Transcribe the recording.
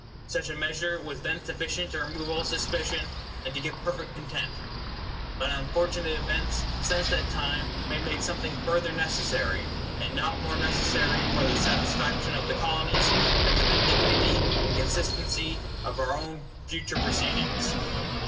Such a measure was then sufficient to remove all suspicion, and to give perfect content. But unfortunate events since that time may make something further necessary; and not more necessary for the satisfaction of the Colonies than for the dignity and consistency of our own future proceedings.